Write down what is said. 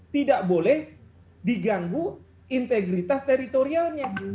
tidak boleh diganggu integritas teritorialnya